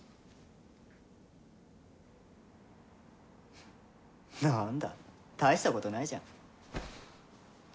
フッなんだ大したことないじゃん。